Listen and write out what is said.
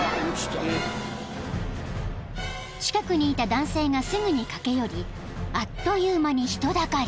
［近くにいた男性がすぐに駆け寄りあっという間に人だかり］